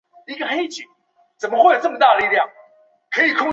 其周围常发生小型地震。